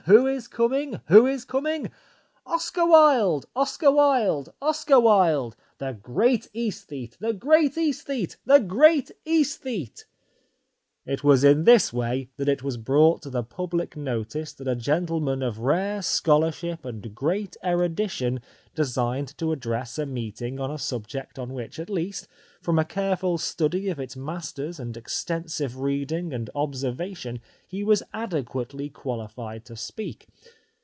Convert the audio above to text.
WHO IS COMING??? WHO IS COMING??? OSCAR WILDE! OSCAR WILDE! OSCAR WILDE! THE GREAT .ESTHETE! THE GREAT ESTHETE! THE GREAT AESTHETE! It was in this way that it was brought to the public notice that a gentleman of rare scholarship and great erudition designed to address a meeting on a subject on which, at least, from a careful study of its masters and extensive reading and observation he was adequately qualified to speak.